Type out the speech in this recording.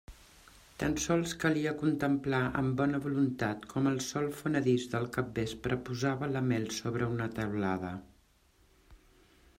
Tan sols calia contemplar amb bona voluntat com el sol fonedís del capvespre posava la mel sobre una teulada.